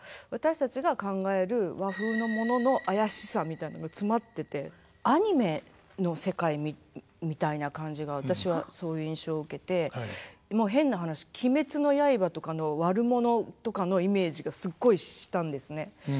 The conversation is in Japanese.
私たちが考える和風のものの妖しさみたいなのが詰まっててアニメの世界みたいな感じが私はそういう印象を受けてもう変な話「鬼滅の刃」とかの悪者とかのイメージがすっごいしたんですね。